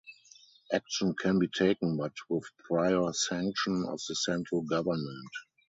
Action can be taken but with prior sanction of the Central Government.